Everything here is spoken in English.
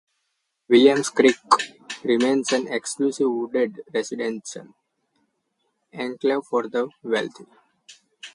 Williams Creek remains an exclusive wooded residential enclave for the wealthy.